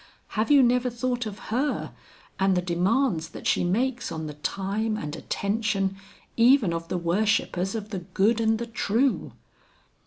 have you never thought of her and the demands that she makes on the time and attention even of the worshippers of the good and the true?"